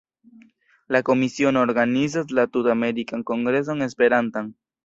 La Komisiono organizas la Tut-Amerikan Kongreson Esperantan.